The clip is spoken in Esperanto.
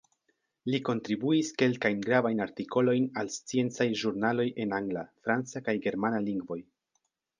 Li kontribuis kelkajn gravajn artikolojn al sciencaj ĵurnaloj en angla, franca kaj germana lingvoj.